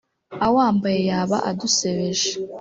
Awambaye yaba adusebeje